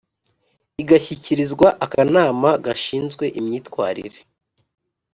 igashyikirizwa akanama gashinzwe imyitwarire